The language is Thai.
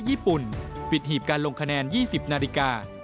มีหน่วยเลือกตั้งทั่วประเทศ๙๕๐๐๐หน่วย